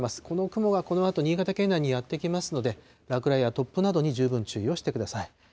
この雲がこのあと、新潟県内にやって来ますので、落雷や突風などに十分注意をしてください。